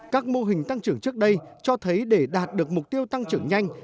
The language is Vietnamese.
các mô hình tăng trưởng trước đây cho thấy để đạt được mục tiêu tăng trưởng nhanh